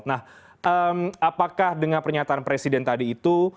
nah apakah dengan pernyataan presiden tadi itu